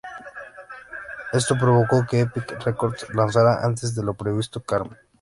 Esto provocó que Epic Records lanzara antes de lo previsto: "Karma".